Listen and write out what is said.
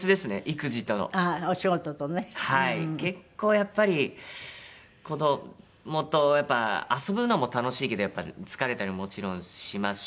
結構やっぱり子どもとやっぱ遊ぶのも楽しいけどやっぱり疲れたりもちろんしますし。